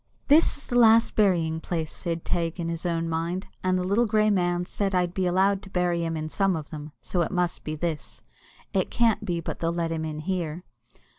"This is the last burying place," said Teig in his own mind; "and the little grey man said I'd be allowed to bury him in some of them, so it must be this; it can't be but they'll let him in here."